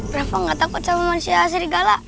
bravo gak takut sama manusia serigala